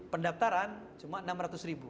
pendaftaran cuma enam ratus ribu